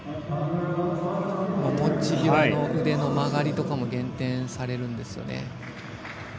持ち際の腕の曲がりとかも減点されるんですよね。